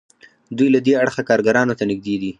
دوی له دې اړخه کارګرانو ته نږدې دي.